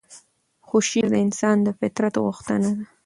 خو شعر د انسان د فطرت غوښتنه ده.